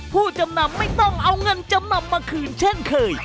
ผู้จำนำไม่ต้องเอาเงินจำนำมาคืนเช่นเคย